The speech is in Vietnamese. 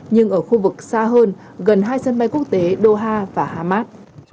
nhưng ở khu vực xa hơn gần hai sân bay quốc tế doha và hamas